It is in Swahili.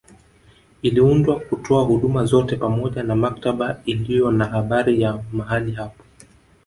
Iliundwa kutoa huduma zote pamoja na maktaba iliyo na habari ya mahali hapo